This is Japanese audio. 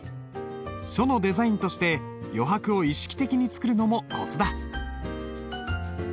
書のデザインとして余白を意識的に作るのもコツだ。